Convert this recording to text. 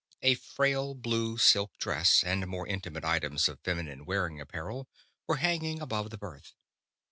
A frail blue silk dress and more intimate items of feminine wearing apparel were hanging above the berth.